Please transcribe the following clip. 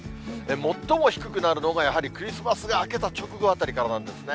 最も低くなるのがやはりクリスマスが明けた直後あたりからなんですね。